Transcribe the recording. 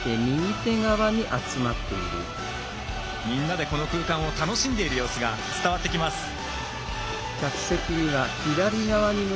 みんなでこの場を楽しんでいる様子が伝わってきます。